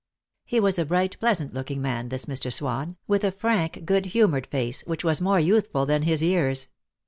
He was a bright, pleasant looking gentleman, this Mr. Swan, with a frank, good humoured face, which was more youthful than his years.